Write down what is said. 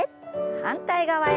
反対側へ。